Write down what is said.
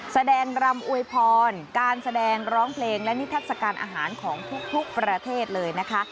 แสดงรำอวยพรการแสดงร้องเพลงและนิทัศกาลอาหารของทุกประเทศเลยนะคะ